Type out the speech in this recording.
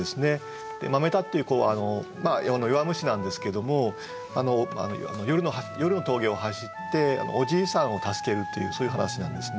豆太って弱虫なんですけども夜の峠を走っておじいさんを助けるというそういう話なんですね。